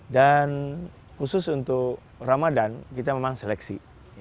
dan khusus untuk ramadan kita memang seleksi